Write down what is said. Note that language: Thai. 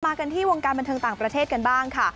กันที่วงการบันเทิงต่างประเทศกันบ้างค่ะ